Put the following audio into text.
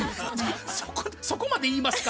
そこまで言いますか？